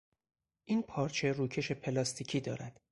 این پارچه روکش پلاستیکی دارد.